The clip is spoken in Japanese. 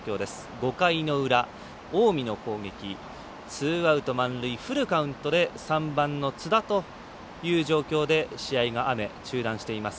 ５回の裏近江の攻撃、ツーアウト、満塁フルカウントで３番の津田という状況で試合が雨で中断しています。